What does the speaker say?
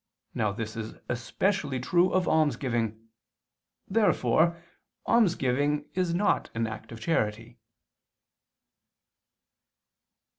Now this is especially true of almsgiving. Therefore almsgiving is not an act of charity.